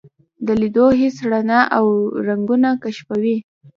د لیدو حس رڼا او رنګونه کشفوي.